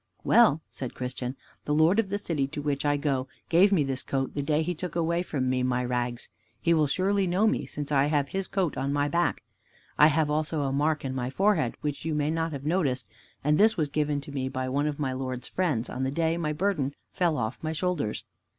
"Well," said Christian, "the Lord of the City to which I go gave me this coat the day that he took away from me my rags. He will surely know me, since I have His coat on my back. I have also a mark in my forehead, which you may not have noticed, and this was given to me by one of my Lord's friends, on the day my burden fell off my shoulders.